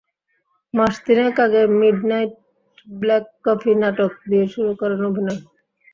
মাস তিনেক আগে midnight black coffee নাটক দিয়ে শুরু করেন অভিনয়।